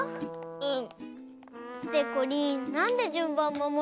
うん。